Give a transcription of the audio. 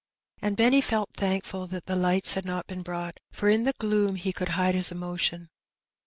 *' And Benny felt thankful that the lights had not been brought, for in the gloom he could hide his emotion.